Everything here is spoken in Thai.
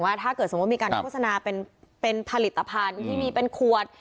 ถ้าเกิดสมมุติมีการโฆษณาเป็นผลิตภัณฑ์ที่มีเป็นขวด